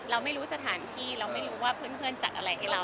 เราไม่รู้สถานที่เราไม่รู้ว่าเพื่อนจัดอะไรให้เรา